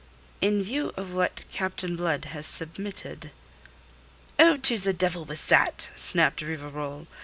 "In view of what Captain Blood has submitted...." "Oh, to the devil with that!" snapped Rivarol.